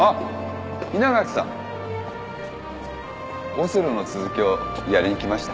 オセロの続きをやりに来ました。